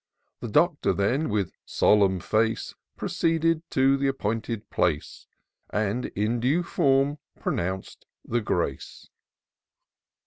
The Doctor then, with solemn face, Proceeded to the appointed place. And, in due form, pronounc'd the grace.